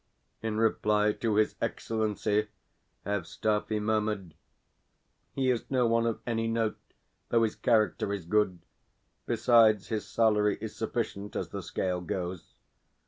In reply to his Excellency Evstafi murmured: "He is no one of any note, though his character is good. Besides, his salary is sufficient as the scale goes."